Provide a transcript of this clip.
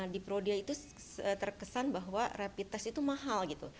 di prodia itu terkesan bahwa repites itu mahal gitu